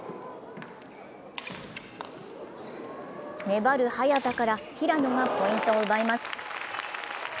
粘る早田から平野がポイントを奪います。